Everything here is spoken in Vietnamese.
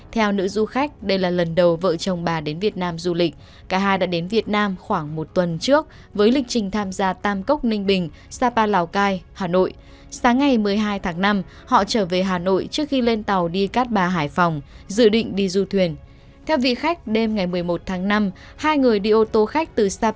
theo nữ du khách đây là lần đầu vợ chồng bà đến việt nam du lịch cả hai đã đến việt nam khoảng một tuần trước